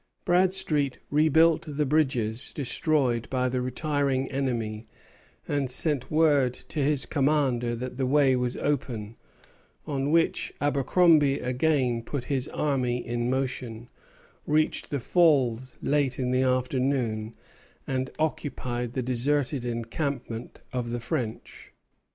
Bradstreet rebuilt the bridges destroyed by the retiring enemy, and sent word to his commander that the way was open; on which Abercromby again put his army in motion, reached the Falls late in the afternoon, and occupied the deserted encampment of the French.